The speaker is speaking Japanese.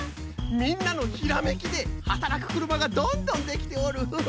みんなのひらめきではたらくくるまがどんどんできておる。